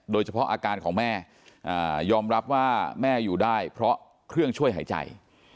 โดยเฉพาะอาการของแม่ยอมรับว่าแม่อยู่ได้เพราะเครื่องช่วยหายใจ